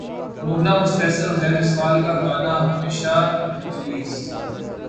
مومنہ مستحسن عزیر جسوال کا گانا ہمیشہ ریلیز